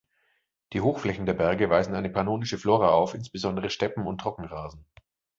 Die Hochflächen der Berge weisen eine pannonische Flora auf, insbesondere Steppen- und Trockenrasen.